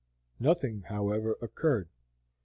Nothing, however, occurred.